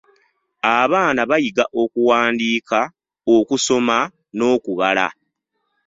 Abaana bayiga okuwandiika, okusoma n'okubala.